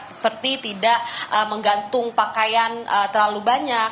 seperti tidak menggantung pakaian terlalu banyak